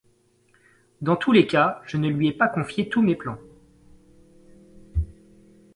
Dans tous les cas, je ne lui ai pas confié tous mes plans.